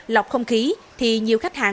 lọc không khí thì nhiều khách hàng